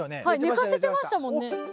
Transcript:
寝かせてましたもんね。